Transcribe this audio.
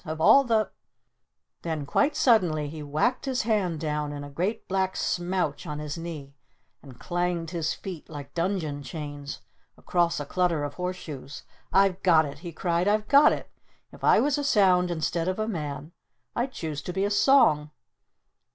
Of all the " Then quite suddenly he whacked his hand down in a great black smouch on his knee and clanged his feet like dungeon chains across a clutter of horseshoes. "I've got it!" he cried. "I've got it! If I was a Sound instead of a man I'd choose to be a Song!